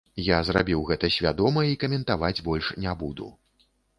Я зрабіў гэта свядома і каментаваць больш не буду.